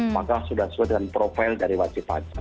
maka sudah sesuai dengan profil dari wajib pajak